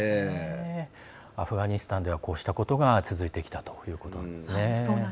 アフガニスタンではこうしたことが続いてきたということなんですね。